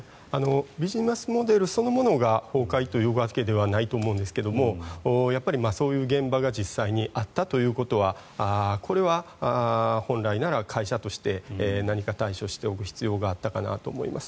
ビジネスモデルそのものが崩壊というわけではないと思うんですがそういう現場が実際にあったということはこれは本来なら会社として何か対処しておく必要があったかなと思います。